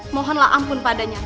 mohonlah ampun padanya